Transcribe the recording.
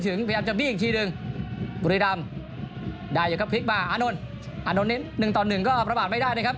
พยายามจะบี้อีกทีหนึ่งบุรีรำได้อย่างก็พลิกมาอานนท์อานนท์เน้นหนึ่งต่อหนึ่งก็ประมาทไม่ได้นะครับ